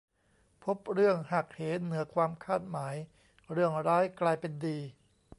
พบเรื่องหักเหเหนือความคาดหมาย เรื่องร้ายกลายเป็นดี